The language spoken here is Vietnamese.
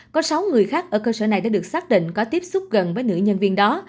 có sáu người khác ở cơ sở này đã được xác định có tiếp xúc gần với nữ nhân viên đó